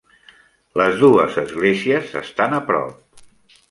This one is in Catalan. Les dues esglésies estan a prop.